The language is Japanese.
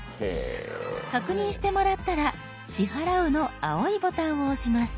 確認してもらったら「支払う」の青いボタンを押します。